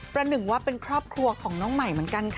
หนึ่งว่าเป็นครอบครัวของน้องใหม่เหมือนกันค่ะ